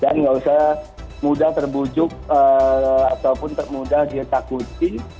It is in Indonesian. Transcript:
dan tidak usah mudah terbujuk ataupun mudah dia takutin